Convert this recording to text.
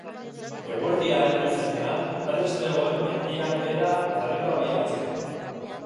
Eguerdia heldu zenean, prest zegoen Mendian behera berriro abiatzeko.